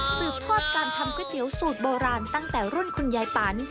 สืบทอดการทำก๋วยเตี๋ยวสูตรโบราณตั้งแต่รุ่นคุณยายปัน